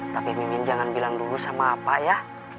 tapi mimin jangan bilang dulu sama apa ya